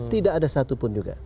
tidak ada satupun juga